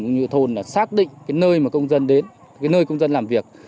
cũng như thôn là xác định cái nơi mà công dân đến cái nơi công dân làm việc